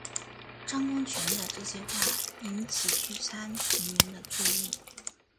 张公权的这些话引起聚餐成员的注意。